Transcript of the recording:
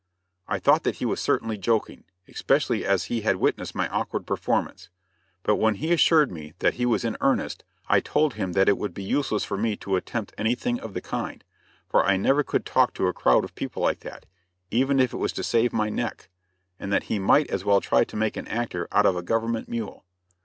I thought that he was certainly joking, especially as he had witnessed my awkward performance; but when he assured me that he was in earnest, I told him that it would be useless for me to attempt anything of the kind, for I never could talk to a crowd of people like that, even if it was to save my neck, and that he might as well try to make an actor out of a government mule.